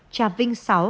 trà vinh sáu